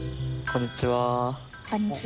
こんにちは。